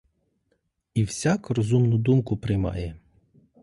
І всяк розумну думку приймає.